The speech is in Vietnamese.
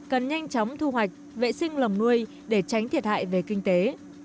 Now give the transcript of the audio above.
cần nhanh chóng thu hoạch vệ sinh lồng nuôi để tránh thiệt hại về kinh tế